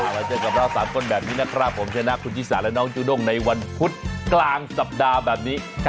แล้วเจอกับเรา๓คนแบบนี้นะครับผมเจอนะคุณพี่สาเดี๋ยวน้องฐู้น่งในวันพุธกลางสัปดาห์แบบนี้ครับ